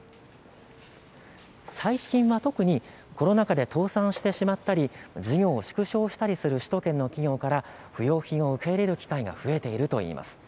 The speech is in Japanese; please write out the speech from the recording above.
最近は特にコロナ禍で倒産してしまったり事業を縮小したりする首都圏の企業から不用品を受け入れる機会が増えているといいます。